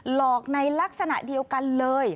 หลอกในลักษณะเดียวกันเลย